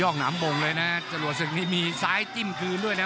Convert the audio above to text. คุณชิงเลียนก็นะ